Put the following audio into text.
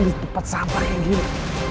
bipat sampai gila